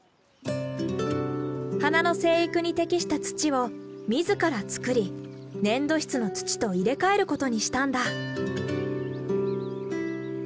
花の生育に適した土を自ら作り粘土質の土と入れかえることにしたんだ。